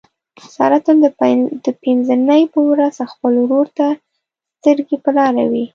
ساره تل د پینځه نۍ په ورخ خپل ورور ته سترګې په لاره وي.